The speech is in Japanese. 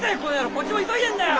こっちも急いでんだよ！